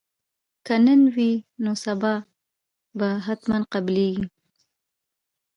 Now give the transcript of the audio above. که نن نه وي نو سبا به حتما قبلیږي